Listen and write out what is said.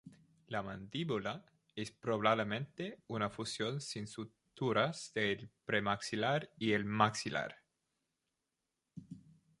La mandíbula es probablemente una fusión sin suturas del premaxilar y el maxilar.